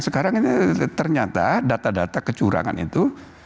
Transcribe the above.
sekarang ini ternyata data data kecurangan itu